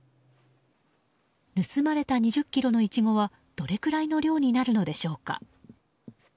盗まれた２０ｋｇのイチゴはどれくらいの量になるのでしょうか。